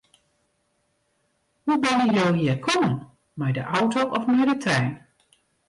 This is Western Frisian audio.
Hoe binne jo hjir kommen, mei de auto of mei de trein?